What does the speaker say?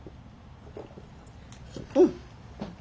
うん。